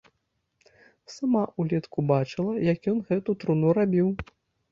Сама ўлетку бачыла, як ён гэту труну рабіў.